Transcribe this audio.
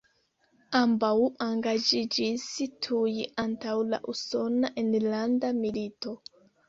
Ambaŭ engaĝiĝis tuj antaŭ la Usona Enlanda Milito.